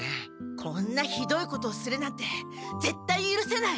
こんなヒドイことをするなんてぜったいゆるせない！